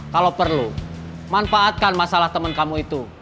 kalau perlu manfaatkan masalah temen kamu itu